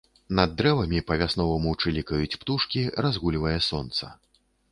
Над дрэвамі па-вясноваму чылікаюць птушкі, разгульвае сонца.